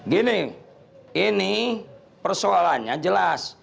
gini ini persoalannya jelas